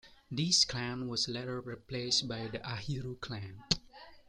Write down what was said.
This clan was later replaced by the Ahiru clan.